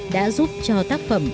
đã giúp cho tác phẩm